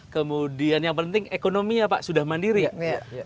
kemudian yang penting ekonomi ya pak sudah mandiri ya